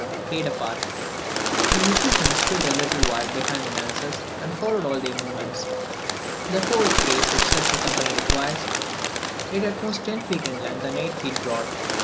played a part. The musicians stood a little behind the dancers, and followed all their movements. The whole space which such a company requires, is at the most ten feet in length and eight broad.